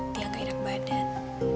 dia gak hidup badan